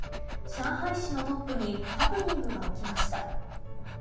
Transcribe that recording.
上海市のトップにハプニングが起きました。